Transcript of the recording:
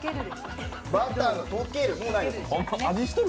バターが溶ける。